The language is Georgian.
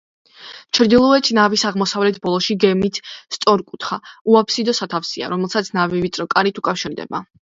ჩრდილოეთ ნავის აღმოსავლეთ ბოლოში გეგმით სწორკუთხა, უაფსიდო სათავსია, რომელსაც ნავი ვიწრო კარით უკავშირდება.